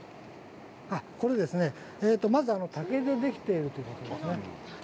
これですね、まず竹でできているということですね。